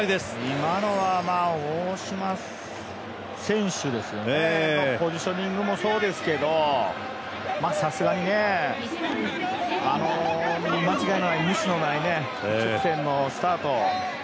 今のは大島選手のポジショニングもそうですけど、さすがに間違いない一直線のスタート。